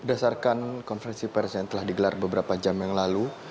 berdasarkan konferensi pers yang telah digelar beberapa jam yang lalu